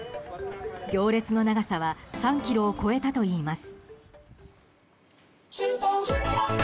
行列の長さは３ｋｍを超えたといいます。